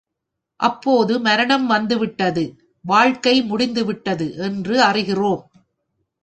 அப்போது மரணம் வந்துவிட்டது, வாழ்க்கை முடிந்துவிட்டது என்று அறிகிறோம்.